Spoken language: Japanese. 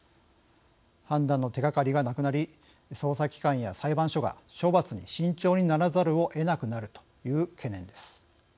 判断の手がかりがなくなり捜査機関や裁判所が処罰に慎重にならざるをえなくなるという懸念です。